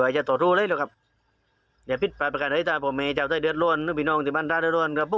ที่จะรู้เลยครับกับถูกตีนะครับ